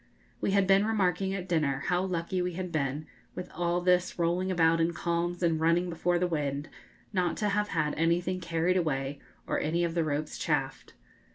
We had been remarking at dinner how lucky we had been, with all this rolling about in calms and running before the wind, not to have had anything carried away or any of the ropes chafed.